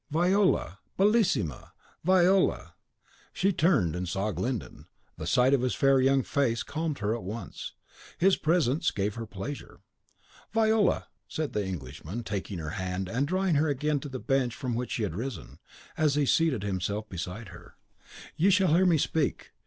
"Viola! bellissima! Viola!" She turned, and saw Glyndon. The sight of his fair young face calmed her at once. His presence gave her pleasure. "Viola," said the Englishman, taking her hand, and drawing her again to the bench from which she had risen, as he seated himself beside her, "you shall hear me speak!